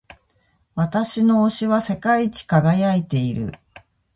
私の押しは世界一輝いている。